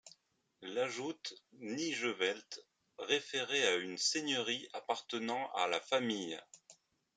L'ajoute 'Nijevelt' référait à une seigneurie appartenant à la famille.